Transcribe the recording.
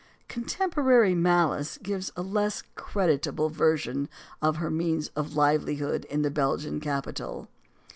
Contemporary malice gives a less creditable version of her means of livelihood in the Belgian capital.